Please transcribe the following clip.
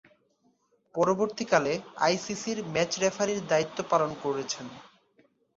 পরবর্তীকালে আইসিসি’র ম্যাচ রেফারির দায়িত্ব পালন করেছেন।